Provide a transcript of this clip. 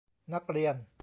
นักเรียน